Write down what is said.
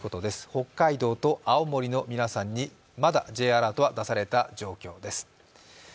北海道と青森の皆さんにまだＪアラートは出された状況です。